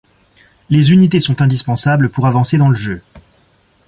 Les unités sont indispensables pour avancer dans le jeu.